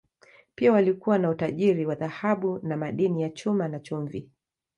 Pia walikuwa na utajiri wa dhahabu na madini ya chuma, na chumvi.